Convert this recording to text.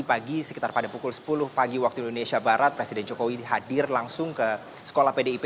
pagi sekitar pada pukul sepuluh pagi waktu indonesia barat presiden jokowi hadir langsung ke sekolah pdip